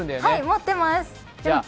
持ってます。